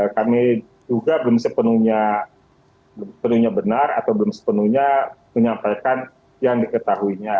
kami juga belum sepenuhnya benar atau belum sepenuhnya menyampaikan yang diketahuinya